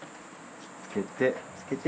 つけて。